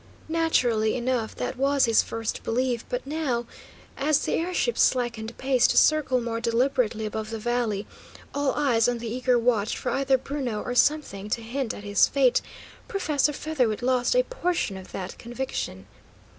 Naturally enough, that was his first belief, but now, as the air ship slackened pace to circle more deliberately above the valley, all eyes on the eager watch for either Bruno or something to hint at his fate, Professor Featherwit lost a portion of that conviction.